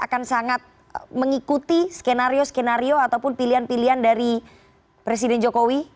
akan sangat mengikuti skenario skenario ataupun pilihan pilihan dari presiden jokowi